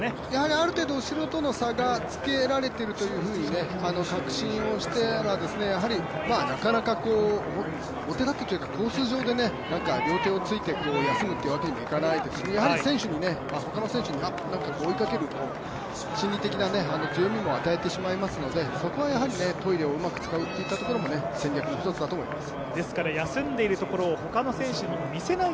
ある程度、後ろとの差がつけられているというふうに確信をしたらやはりなかなか表立って、公衆上で両手をついて休むってわけにはいかないですからやはり選手に追いかける心理的な強みも与えてしまいますので、そこはトイレをうまく使うというのも一つの作戦だと思います。